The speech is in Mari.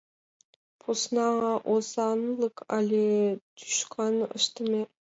Посна озанлык але тӱшкан ыштыме?